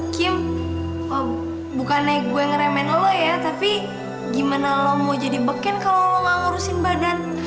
kim bukannya gue ngeremen lo ya tapi gimana lo mau jadi beken kalau lo gak ngurusin badan